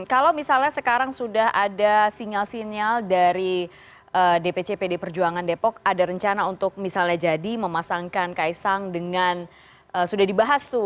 kalau misalnya sekarang sudah ada sinyal sinyal dari dpc pd perjuangan depok ada rencana untuk misalnya jadi memasangkan kaisang dengan sudah dibahas tuh